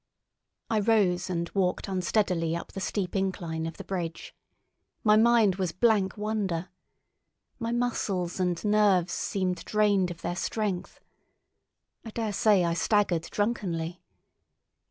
I rose and walked unsteadily up the steep incline of the bridge. My mind was blank wonder. My muscles and nerves seemed drained of their strength. I dare say I staggered drunkenly.